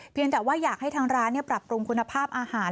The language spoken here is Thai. แต่ว่าอยากให้ทางร้านปรับปรุงคุณภาพอาหาร